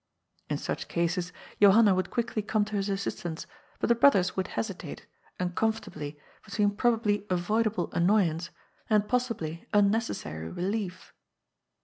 225 In snch cases Johanna would qnickly come to his assist ance, but the brothers would hesitate — ^uncomfortably — between probably avoidable annoyance and possibly un necessary relief.